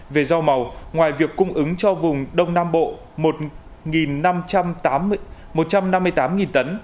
về rau màu ngoài việc cung ứng cho vùng đông nam bộ một năm mươi tám tấn